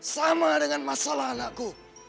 sama dengan masalah anakku